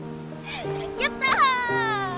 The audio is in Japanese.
やった！